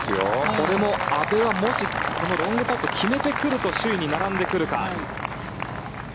これも阿部はもしロングパットを決めてくると首位に並んでくるか。